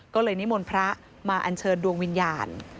ก็เลยนิมนต์พระมาอัญเชิญดวงวิญญาณ